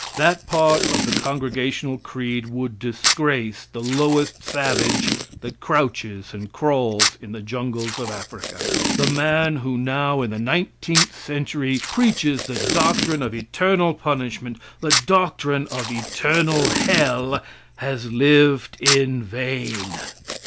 That part of the Congregational creed would disgrace the lowest savage that crouches and crawls in the jungles of Africa. The man who now, in the nineteenth century, preaches the doctrine of eternal punishment, the doctrine of eternal hell, has lived in vain.